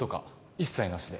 一切なしで。